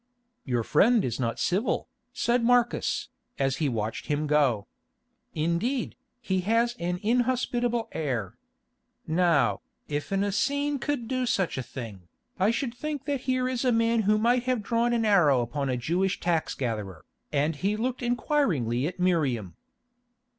"Your friend is not civil," said Marcus, as he watched him go. "Indeed, he has an inhospitable air. Now, if an Essene could do such a thing, I should think that here is a man who might have drawn an arrow upon a Jewish tax gatherer," and he looked inquiringly at Miriam.